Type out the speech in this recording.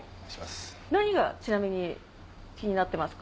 何がちなみに気になってますか？